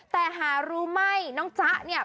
แต่หารู้ไหมน้องจ๊ะเนี่ย